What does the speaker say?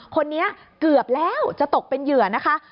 คนนี้เกือบแล้วจะตกเป็นเหยื่อนะคะ